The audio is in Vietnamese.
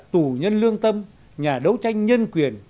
tù nhân lương tâm nhà đấu tranh nhân quyền